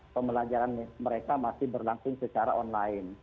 pembelajaran mereka masih berlangsung secara online